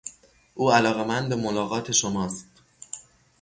او علاقمند به ملاقات شماست.